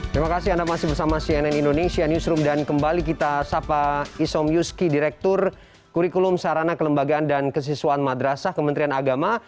terima kasih anda masih bersama cnn indonesia newsroom dan kembali kita sapa isom yuski direktur kurikulum sarana kelembagaan dan kesiswaan madrasah kementerian agama